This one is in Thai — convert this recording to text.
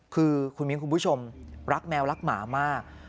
คือคุณมิ้นคุณผู้ชมรักแมวรักหมามาก